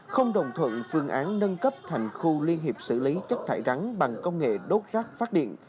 không đồng thuận phương án nâng cấp thành khu liên hiệp xử lý chất thải rắn bằng công nghệ đốt rác phát điện